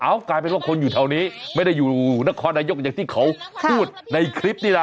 กลายเป็นว่าคนอยู่แถวนี้ไม่ได้อยู่นครนายกอย่างที่เขาพูดในคลิปนี่นะ